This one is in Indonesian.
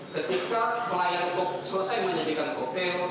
ketika selesai menyajikan koktel